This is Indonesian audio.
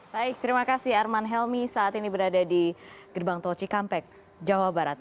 baik terima kasih arman helmi saat ini berada di gerbang tol cikampek jawa barat